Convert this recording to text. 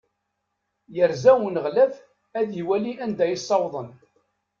Yerza uneɣlaf ad iwali anda i ssawḍen.